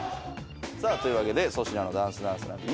さあというわけで「粗品のダンスダンスナビ」